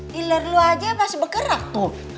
pilar lo aja masih bergerak tuh